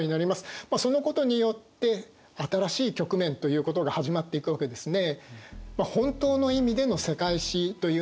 そのことによって新しい局面ということが始まっていくわけですね。